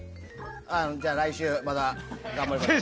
じゃあ、来週また頑張ります。